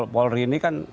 polri ini kan